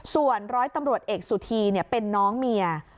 ส่วนร้อยตำรวจเอกสุธีเป็นน้องเมีย